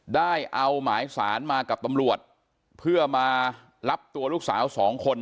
ได้เอาหมายสารมากับตำรวจเพื่อมารับตัวลูกสาวสองคน